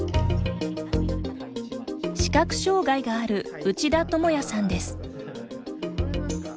視覚障害がある内田智也さんです。